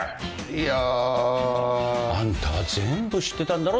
いや。あんたは全部知ってたんだろ？